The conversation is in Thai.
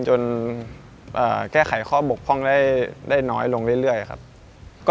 แก้ไขข้อบกพร่องได้น้อยลงเรื่อยครับ